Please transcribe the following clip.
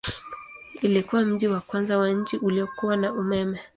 Ilikuwa mji wa kwanza wa nchi uliokuwa na umeme.